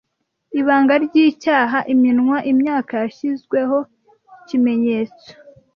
Ibanga ry'icyaha; iminwa, imyaka yashizweho ikimenyetso,